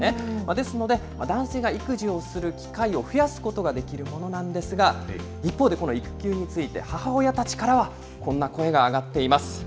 ですので、男性が育児をする機会を増やすことができるものなんですが、一方で、この育休について母親たちからは、こんな声が上がっています。